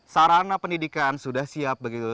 sarana pendidikan sudah siap begitu